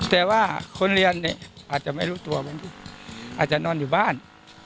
แต่ว่าคนเรียนเนี่ยอาจจะไม่รู้ตัวอาจจะนอนอยู่บ้าน